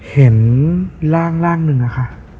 เห็นร่างหนึ่งอะค่ะ